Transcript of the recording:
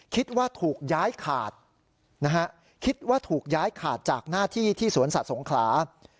คิดว่าถูกย้ายขาดนะฮะคิดว่าถูกย้ายขาดจากหน้าที่ที่สวนสัตว์สงขลา